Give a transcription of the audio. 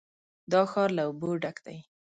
دا ښار له اوبو ډک دی.